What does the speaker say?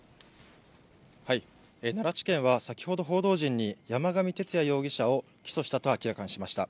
奈良地検は先ほど、報道陣に山上徹也容疑者を起訴したと明らかにしました。